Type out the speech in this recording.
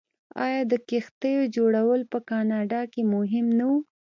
آیا د کښتیو جوړول په کاناډا کې مهم نه و؟